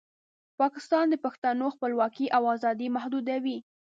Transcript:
پاکستان د پښتنو خپلواکۍ او ازادۍ محدودوي.